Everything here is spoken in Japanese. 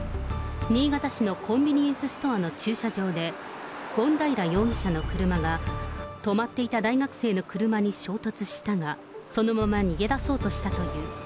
新潟市のコンビニエンスストアの駐車場で、権平容疑者の車が止まっていた大学生の車に衝突したが、そのまま逃げだそうとしたという。